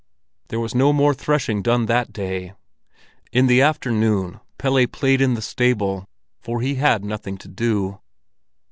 There was no more threshing done that day. In the afternoon Pelle played in the stable, for he had nothing to do.